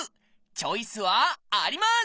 チョイスはあります！